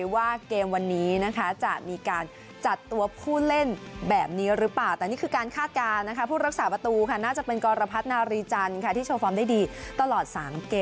วันนี้ก็แบบพิเศษ